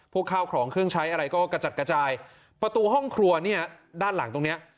ข้าวของเครื่องใช้อะไรก็กระจัดกระจายประตูห้องครัวเนี่ยด้านหลังตรงเนี้ย